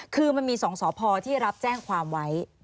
คือมันมี๒สพที่รับแจ้งความไว้